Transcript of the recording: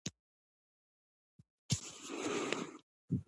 ښارونه د افغانستان د ملي هویت نښه ده.